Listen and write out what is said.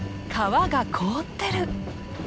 川が凍ってる！